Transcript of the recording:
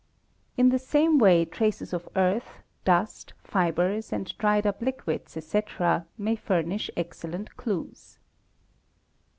In the same way traces of earth, dust, fibres, and dried up hquids, ete., may furnish excellent clues.